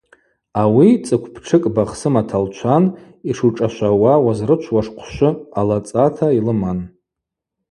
Ауи цӏыкв птшыкӏ бахсыма талчван, йшушӏашвауа уызрычвуаш хъвшвы алацӏата йлыман.